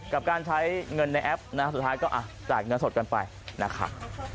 กับการใช้เงินในแอปนะฮะสุดท้ายก็จ่ายเงินสดกันไปนะครับ